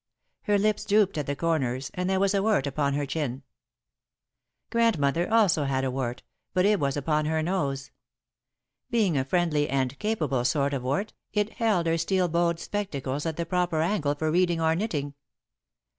Her lips drooped at the corners and there was a wart upon her chin. Grandmother also had a wart, but it was upon her nose. Being a friendly and capable sort of wart, it held her steel bowed spectacles at the proper angle for reading or knitting.